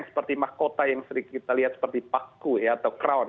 seperti mahkota yang sering kita lihat seperti paku atau crown